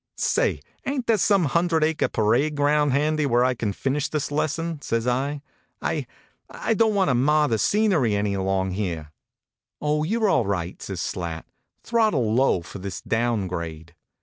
" Say, ain t there some hundred acre pa rade ground handy where I can finish this lesson? " says I. " I I don t want to mar the scenery any along here." HONK, HONK! "Oh, you re all right," says Slat. Throttle low for this down grade."